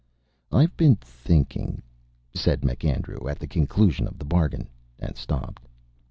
"I've been thinking " said MacAndrew at the conclusion of the bargain, and stopped.